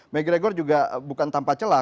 mcgregor juga bukan tanpa celah